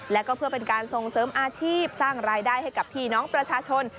แล้วก็เพื่อเป็นการส่งเสริมอาชีพสร้างรายได้ให้กับพี่น้องประชาชน